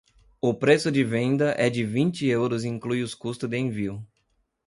O preço de venda é de vinte euros e inclui os custos de envio.